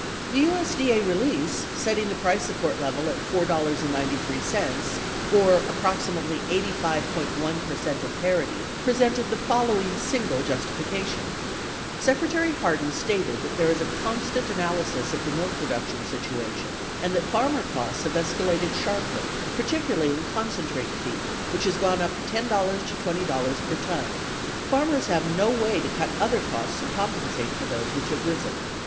The USDA release, setting the price support level at $4.93, or approximately 85.1 percent of parity, 10 presented the following single justification : Secretary Hardin stated that there is a constant analysis of the milk production situation, and that farmer costs have escalated sharply paricularly in concentrate feed which has gone up $10 to $20 per ton. Farmers have no way to cut other costs to compensate for those which have risen.